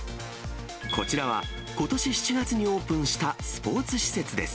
こちらは、ことし７月にオープンした、スポーツ施設です。